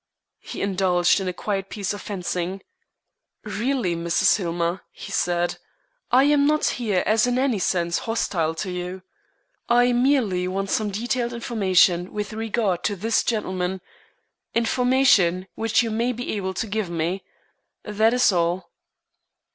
He indulged in a quiet piece of fencing: "Really, Mrs. Hillmer," he said, "I am not here as in any sense hostile to you. I merely want some detailed information with regard to this gentleman, information which you may be able to give me. That is all."